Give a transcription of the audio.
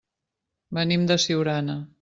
Venim de Siurana.